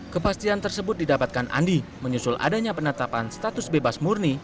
kepastian tersebut didapatkan andi menyusul adanya penetapan status bebas murni